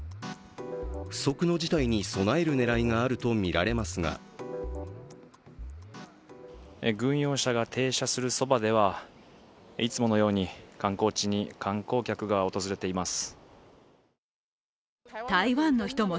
不測の事態に備える狙いがあるとみられますが軍用車が停車するそばではいつものように観光地に観光客が訪れています。